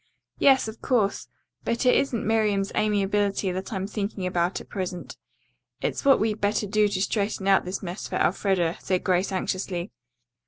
"Yes, of course, but it isn't Miriam's amiability that I'm thinking about at present. It's what we'd better do to straighten out this trouble for Elfreda," said Grace anxiously.